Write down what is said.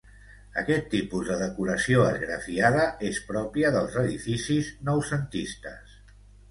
Aquest tipus de decoració esgrafiada és pròpia dels edificis noucentistes.